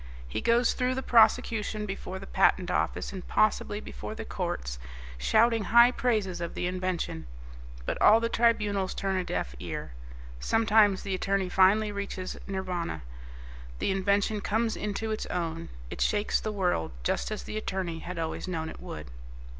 He goes through the prosecution before the Patent Office and possibly before the courts shouting high praises of the invention, but all the tribunals turn a deaf ear. Sometimes the attorney finally reaches Nirvana; the invention comes into its own. It shakes the world, just as the attorney had always known it would."